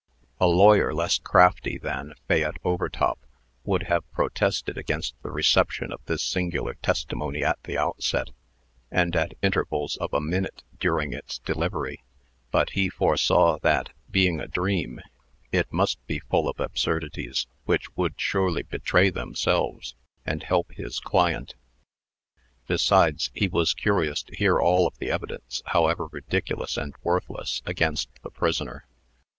A lawyer less crafty than Fayette Overtop would have protested against the reception of this singular testimony at the outset, and at intervals of a minute during its delivery. But he foresaw that, being a dream, it must be full of absurdities, which would surely betray themselves, and help his client. Besides, he was curious to hear all of the evidence, however ridiculous and worthless, against the prisoner.